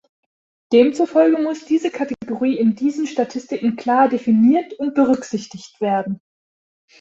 Demzufolge muss diese Kategorie in diesen Statistiken klar definiert und berücksichtigt werden.